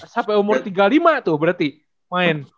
sampai umur tiga puluh lima tuh berarti main